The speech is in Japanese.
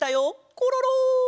コロロ！